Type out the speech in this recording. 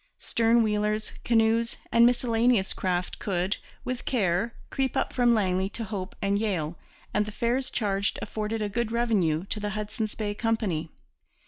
Stern wheelers, canoes, and miscellaneous craft could, with care, creep up from Langley to Hope and Yale; and the fares charged afforded a good revenue to the Hudson's Bay Company.